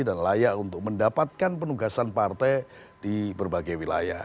dan layak untuk mendapatkan penugasan partai di berbagai wilayah